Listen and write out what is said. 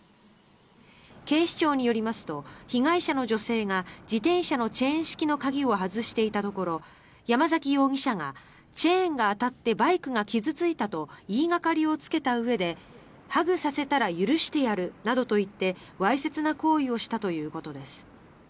警視庁によりますと被害者の女性が自転車のチェーン式の鍵を外していたところ山崎容疑者がチェーンが当たってバイクが傷付いたと言いがかりをつけたうえでハグさせたら許してやるなどと言ってわいせつな行為をしたということです。